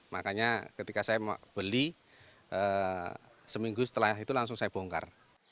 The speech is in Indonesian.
makanya ketika saya mau beli seminggu setelah itu langsung saya bongkar